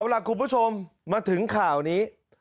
เอาล่ะคุณผู้ชมมาถึงข่าวนี้